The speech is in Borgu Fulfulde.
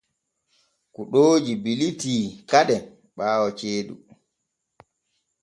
Kuɗooji bilitii kade ɓaawo ceeɗum.